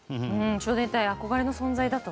少年隊は憧れの存在だと。